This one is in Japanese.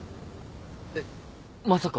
えっまさか。